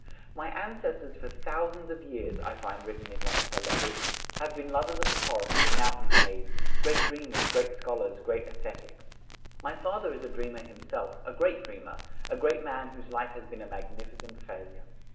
'My ancestors for thousands of years,' I find written in one of her letters, 'have been lovers of the forest and mountain caves, great dreamers, great scholars, great ascetics. My father is a dreamer himself, a great dreamer, a great man whose life has been a magnificent failure.